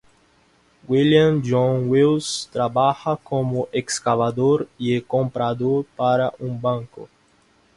William John Wills trabaja como excavador y comprador para un banco.